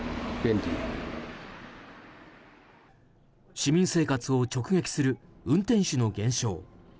市民生活を直撃する運転手の減少。